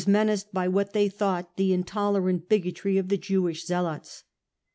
^35 menaced by what they thought the in tolerant bigotry of the Jewish zealots.